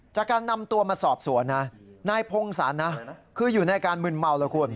จากการนำตัวมาสอบสวนนะนายพงศรนะคืออยู่ในอาการมึนเมาแล้วคุณ